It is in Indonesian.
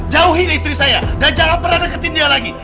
jauhin istri saya dan jangan pernah deketin dia lagi